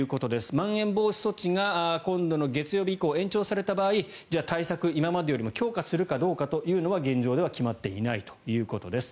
まん延防止措置が今度の月曜日以降延長された場合じゃあ、対策を今まで強化するかどうかは現状では決まっていないということです。